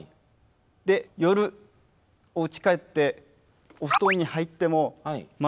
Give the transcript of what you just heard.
で夜おうち帰ってお布団に入ってもまだこう。